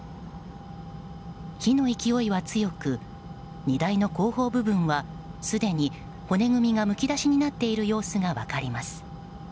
火の勢いは強く荷台の後方部分はすでに骨組みがむき出しになっている様子が分かります。